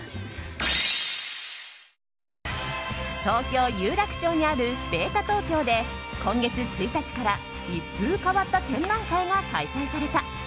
東京・有楽町にあるｂ８ｔａＴｏｋｙｏで今月１日から、一風変わった展覧会が開催された。